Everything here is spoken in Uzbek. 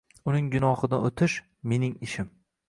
Uning gunohidan o’tish — mening ishim.